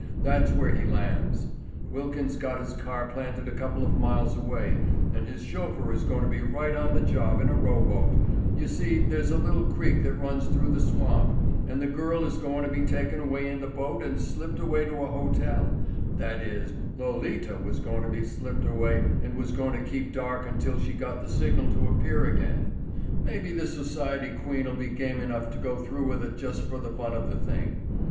That's where he lands. Wilkins has got his car planted a couple of miles away and his chauffeur is goin' to be right on the job in a row boat—you see there's a little creek that runs through the swamp—and the girl is goin' to be taken away in the boat and slipped away to a hotel—that is, Lolita was goin' to be slipped away and was goin' to keep dark until she got the signal to appear again. Maybe this society queen'll be game enough to go through with it just for the fun of the thing."